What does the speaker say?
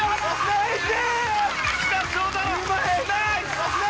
ナイス！